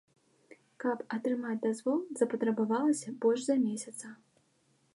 Каб атрымаць дазвол, запатрабавалася больш за месяца.